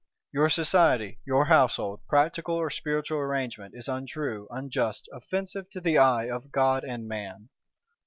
Your Society, your Household, practical or spiritual Arrangement, is untrue, unjust, offensive to the eye of God and man.